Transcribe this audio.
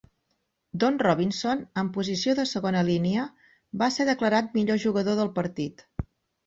Don Robinson, en posició de segona línia, va ser declarat millor jugador del partit.